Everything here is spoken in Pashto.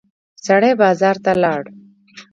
سړی بازار ته لاړ.